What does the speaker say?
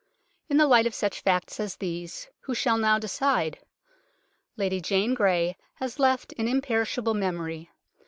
In the light of such facts as these, who shall now decide ? Lady Jane Grey has left an im perishable memory.